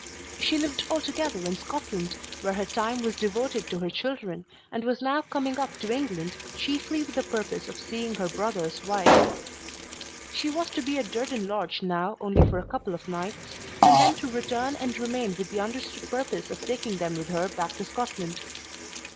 She lived altogether in Scotland, where her time was devoted to her children, and was now coming up to England chiefly with the purpose of seeing her brother's wife. She was to be at Durton Lodge now only for a couple of nights, and then to return and remain with the understood purpose of taking them with her back to Scotland.